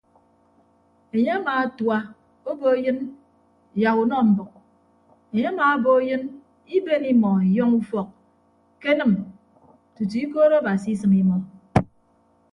Enye atua obo eyịn yak unọ mbʌk enye amaabo eyịn iben imọ yọñ ufọk kenịm tutu ikoot abasi asịm imọ.